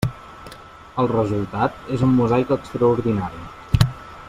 El resultat és un mosaic extraordinari.